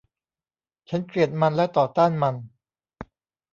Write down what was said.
ฉันเกลียดมันและต่อต้านมัน